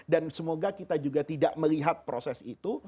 dan semoga kita juga tidak melihat proses itu